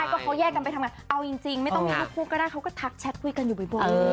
ก็เขาแยกกันไปทำงานเอาจริงไม่ต้องมีลูกคู่ก็ได้เขาก็ทักแชทคุยกันอยู่บ่อย